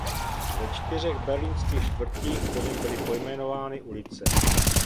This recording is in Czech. Ve čtyřech berlínských čtvrtích po něm byly pojmenovány ulice.